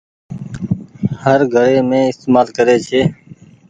هر گھري مين استهمال ڪري ڇي۔